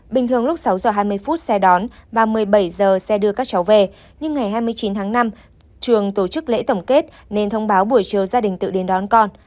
bình thường lúc sáu giờ hai mươi phút xe đón và một mươi bảy giờ xe đưa các cháu về nhưng ngày hai mươi chín tháng năm trường tổ chức lễ tổng kết nên thông báo buổi chiều gia đình tự đến đón con